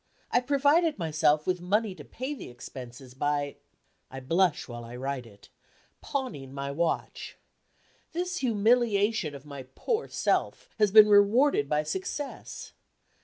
I provided myself with money to pay the expenses by I blush while I write it pawning my watch. This humiliation of my poor self has been rewarded by success.